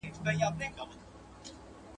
اقتصاد پوهنځۍ په ناڅاپي ډول نه انتقالیږي.